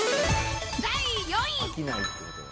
第４位。